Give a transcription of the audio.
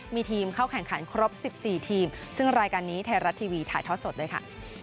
มีทีมเข้าแข่งขันครบ๑๔ทีมซึ่งรายการนี้ไทยรัฐทีวีถ่ายทอดสดด้วยค่ะ